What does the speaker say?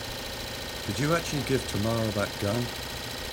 Did you actually give Tamara that gun?